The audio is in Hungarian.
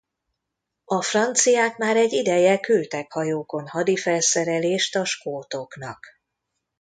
A franciák már egy ideje küldtek hajókon hadi felszerelést a skótoknak.